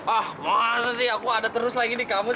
ah masa sih aku ada terus lagi di kamu